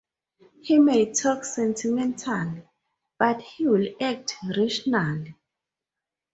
He may talk sentimentally, but he will act rationally.